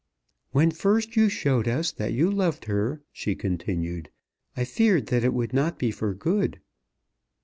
"When first you showed us that you loved her," she continued, "I feared that it would not be for good."